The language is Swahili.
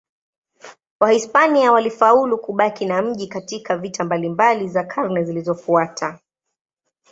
Wahispania walifaulu kubaki na mji katika vita mbalimbali za karne zilizofuata.